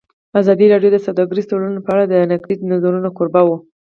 ازادي راډیو د سوداګریز تړونونه په اړه د نقدي نظرونو کوربه وه.